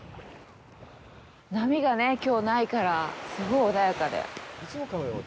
波がね、きょうないから、すごい穏やかで。